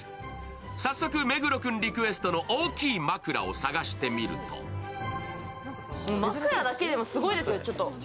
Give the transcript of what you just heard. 早速、目黒君リクエストの大きい枕を探してみると枕だけでもすごいですね。